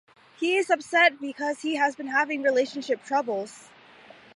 He is upset because he has been having relationship troubles.